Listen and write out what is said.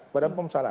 badan pem salah